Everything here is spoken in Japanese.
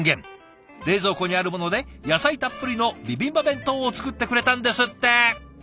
冷蔵庫にあるもので野菜たっぷりのビビンバ弁当を作ってくれたんですって。